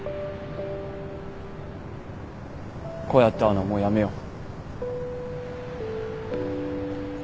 こうやって会うのはもうやめよう。